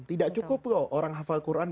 tidak cukup loh orang hafal quran